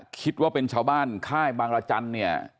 คิดว่าเป็นชาวบ้านค่ายบางรจันทร์เนี่ย